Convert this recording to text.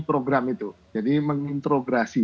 program itu jadi mengintrograsi